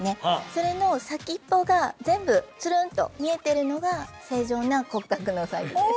それの先っぽが全部つるんと見えてるのが正常な骨格のタイプです